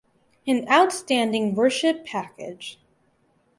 An outstanding worship package.